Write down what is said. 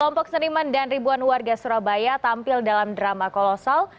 kelompok seniman dan ribuan warga surabaya tampil dalam drama kolosal